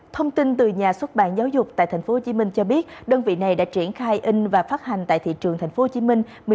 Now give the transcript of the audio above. thông tin từ nhà xuất bản giáo dục tại tp hcm cho biết đơn vị này đã triển khai in và phát hành tại thị trường tp hcm